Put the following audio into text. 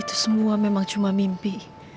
itu semua memang cuma mimpi